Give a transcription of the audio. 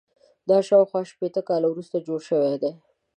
دا شاوخوا شپېته کاله وروسته جوړ شوی دی.